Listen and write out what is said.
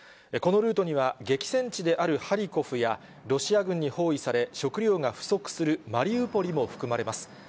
このルートには、激戦地であるハリコフやロシア軍に包囲され、食料が不足するマリウポリも含まれます。